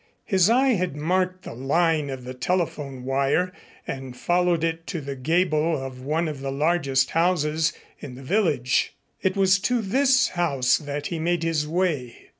His eye had marked the line of the telephone wire and followed it to the gable of one of the largest houses in the village. It was to this house that he made his way.